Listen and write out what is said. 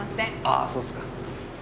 ああそうすか。